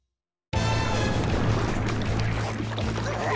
うわ！